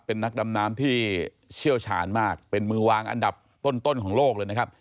เป็นนักดำน้ำที่เชี่ยวชาญมากเป็นมือวางอันดับต้นของโลกเลยนะครับ